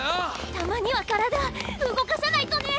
たまには体動かさないとね。